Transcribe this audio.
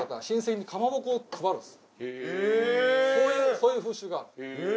そういう風習がある。